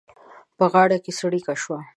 په غاړه کې څړيکه شوه.